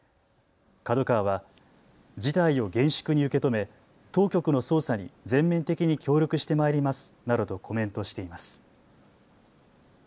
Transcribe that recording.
ＫＡＤＯＫＡＷＡは事態を厳粛に受け止め当局の捜査に全面的に協力してまいりますなどとコメントしています。